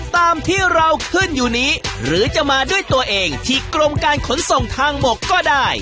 ตามที่เราขึ้นอยู่นี้หรือจะมาด้วยตัวเองที่กรมการขนส่งทางบกก็ได้